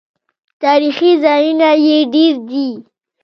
تاریخي ځایونه یې ډیر دي.